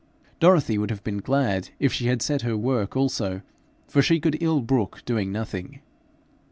Dorothy would have been glad if she had set her work also, for she could ill brook doing nothing.